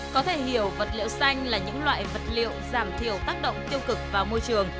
có thể hiểu vật liệu xanh là những loại vật liệu giảm thiểu tác động tiêu cực vào môi trường